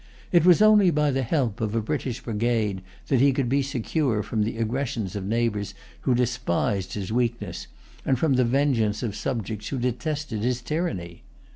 It was only by the help of a British brigade that he could be secure from the aggressions of neighbors who despised his weakness, and from the vengeance of subjects who detested his tyranny.